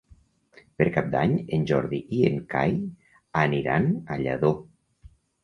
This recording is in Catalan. Per Cap d'Any en Jordi i en Cai aniran a Lladó.